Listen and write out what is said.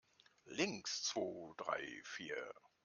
Links, zwo, drei, vier!